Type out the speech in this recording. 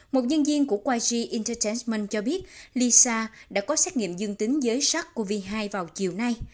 một nhân viên của yg entertainment cho biết lisa đã có xét nghiệm dương tính giới sắc covid hai vào chiều nay